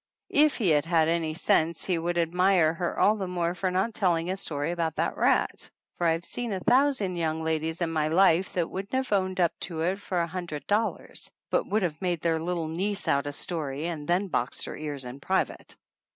If he had had any sense he would admire her all the more for not telling a story about that rat ; for I've seen a thousand young ladies in my life that wouldn't have owned up to it for a hundred dollars, but would have made their little niece out a story and then boxed her ears in private.